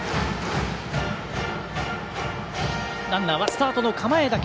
ランナーはスタートの構えだけ。